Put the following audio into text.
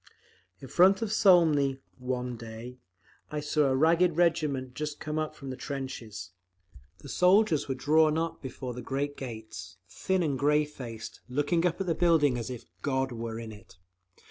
In front of Smolny, one day, I saw a ragged regiment just come from the trenches. The soldiers were drawn up before the great gates, thin and grey faced, looking up at the building as if God were in it.